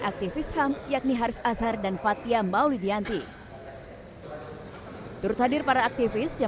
aktivis ham yakni haris azhar dan fathia maulidianti turut hadir para aktivis yang